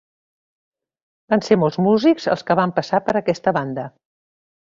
Van ser molts músics els que van passar per aquesta banda.